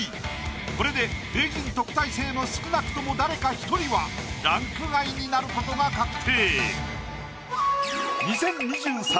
これで名人・特待生の少なくとも誰か１人はランク外になることが確定。